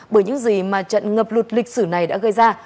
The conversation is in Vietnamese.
bởi những gì mà trận ngập lụt lịch sử này đã gây ra